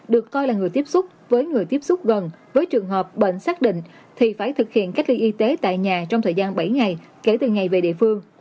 được coi là người tiếp xúc với người tiếp xúc gần với trường hợp bệnh xác định thì phải thực hiện cách ly y tế tại nhà trong thời gian bảy ngày kể từ ngày về địa phương